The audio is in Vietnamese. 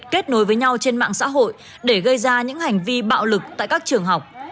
kết nối với nhau trên mạng xã hội để gây ra những hành vi bạo lực tại các trường học